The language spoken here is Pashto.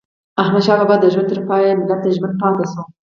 احمدشاه بابا د ژوند تر پایه ملت ته ژمن پاته سو.